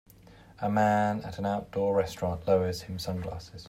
A man at an outdoor restaurant lowers him sunglasses.